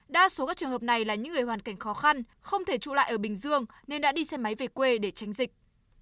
đa số các trường hợp này là những người hoàn cảnh khó khăn không thể trụ lại ở bình dương nên đã đi xe máy về quê để tránh dịch